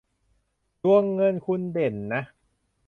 ดวงเงินคุณเด่นนะ